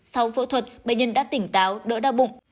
sau phẫu thuật bệnh nhân đã tỉnh táo đỡ đau bụng